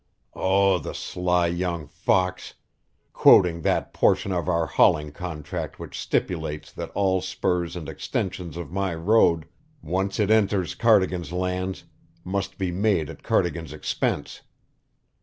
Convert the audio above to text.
Oh, the sly young fox quoting that portion of our hauling contract which stipulates that all spurs and extensions of my road, once it enters Cardigan's lands, must be made at Cardigan's expense!